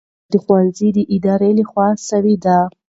دا پرېکړه د ښوونځي د ادارې لخوا سوې ده.